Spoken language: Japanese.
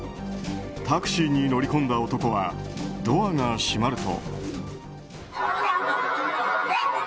タクシーに乗り込んだ男はドアが閉まると。